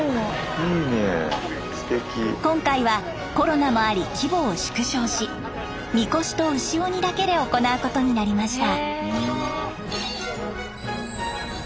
今回はコロナもあり規模を縮小しみこしと牛鬼だけで行うことになりました。